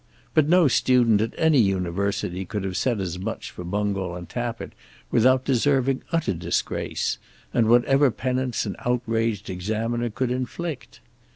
But no student at any university could have said as much for Bungall and Tappitt without deserving utter disgrace, and whatever penance an outraged examiner could inflict.